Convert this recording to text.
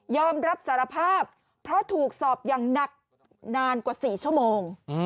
อมรับสารภาพเพราะถูกสอบอย่างหนักนานกว่า๔ชั่วโมง